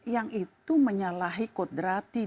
yang itu menyalahi kodrati